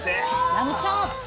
ラムチョーップ！